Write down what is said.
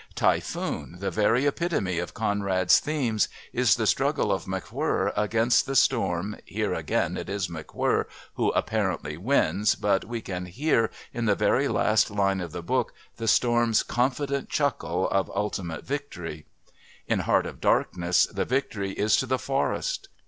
Typhoon, the very epitome of Conrad's themes, is the struggle of McWhirr against the storm (here again it is McWhirr who apparently wins, but we can hear, in the very last line of the book, the storm's confident chuckle of ultimate victory). In Heart of Darkness the victory is to the forest.